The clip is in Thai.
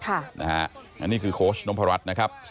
อันนี้คือโค้ชนมพรัชนะครับ